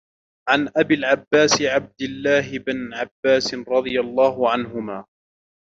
عَن أَبِي العبَّاسِ عبْدِ الله بنِ عَبّاسٍ رَضِي اللهُ عَنْهُما